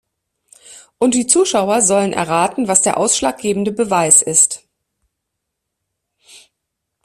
Und die Zuschauer sollen erraten, was der ausschlaggebende Beweis ist.